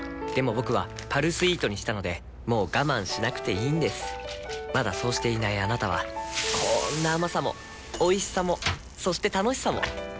僕は「パルスイート」にしたのでもう我慢しなくていいんですまだそうしていないあなたはこんな甘さもおいしさもそして楽しさもあちっ。